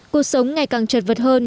cuộc sống ngày càng trật vật hơn